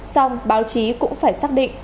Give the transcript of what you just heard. xong báo chí cũng phải xác định